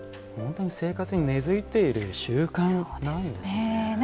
本当に生活に根づいている習慣なんですね。